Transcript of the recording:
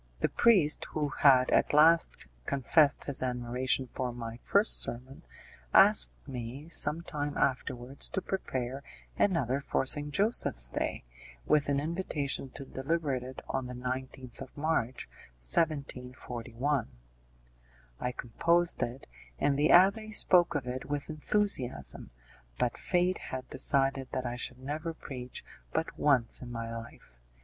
The priest, who had at last confessed his admiration for my first sermon, asked me, some time afterwards, to prepare another for St. Joseph's Day, with an invitation to deliver it on the 19th of March, 1741. I composed it, and the abbé spoke of it with enthusiasm, but fate had decided that I should never preach but once in my life.